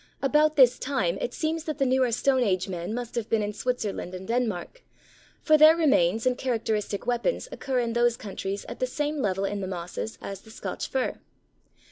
About this time it seems that the newer Stone Age men must have been in Switzerland and Denmark, for their remains and characteristic weapons occur in those countries at the same level in the mosses as the Scotch Fir.